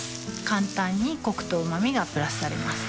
簡単にコクとうま味がプラスされます